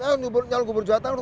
nyalon gubernur jawa tengah